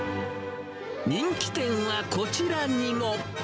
人気店はこちらにも。